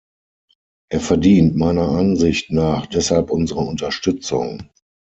Er verdient meiner Ansicht nach deshalb unsere Unterstützung.